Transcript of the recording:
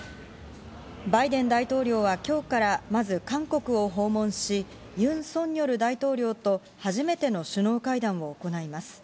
バイデン大統領は今日からまず韓国を訪問し、ユン・ソンニョル大統領と初めての首脳会談を行います。